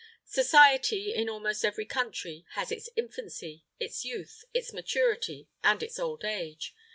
Society, in almost every country, has its infancy, its youth, its maturity, and its old age.